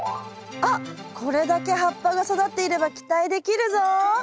あっこれだけ葉っぱが育っていれば期待できるぞ。